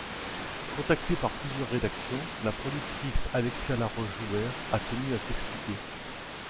Contactée par plusieurs rédactions, la productrice, Alexia Laroche-Joubert, a tenu à s'expliquer.